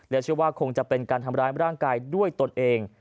เชื่อว่าคงจะเป็นการทำร้ายร่างกายด้วยตนเอง